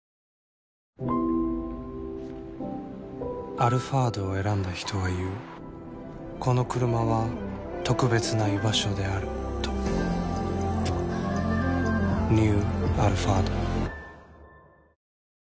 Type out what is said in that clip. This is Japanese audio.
「アルファード」を選んだ人は言うこのクルマは特別な居場所であるとニュー「アルファード」男性）